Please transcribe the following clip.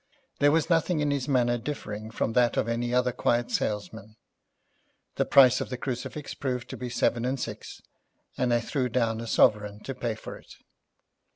There was nothing in his manner differing from that of any other quiet salesman. The price of the crucifix proved to be seven and six, and I threw down a sovereign to pay for it.